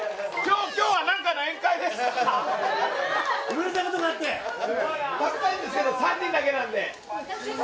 今日は何かの宴会ですか？